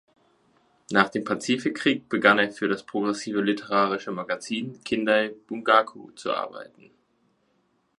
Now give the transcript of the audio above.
Nach dem Pazifikkrieg begann er für das progressive literarische Magazin „Kindai Bungaku“ zu arbeiten.